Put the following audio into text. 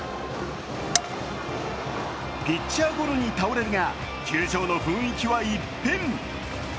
ピッチャーゴロに倒れるが、球場の雰囲気は一変。